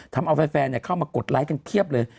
ทำเอาแฟนเข้ามากดไลค์กันเพียบเลย